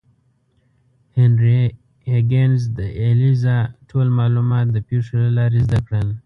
هنري هیګینز د الیزا ټول معلومات د پیښو له لارې زده کړل.